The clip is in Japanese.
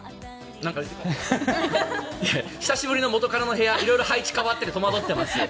久しぶりの元カノの部屋色々配置変わってて戸惑ってます。